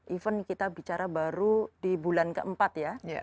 even kita bicara baru di bulan keempat ya